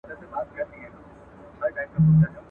پر وجود باندي مو نه دي ازمېيلي.